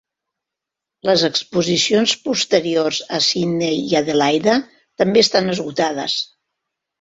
Les exposicions posteriors a Sydney i Adelaida també estan esgotades.